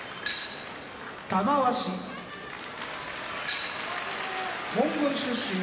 玉鷲モンゴル出身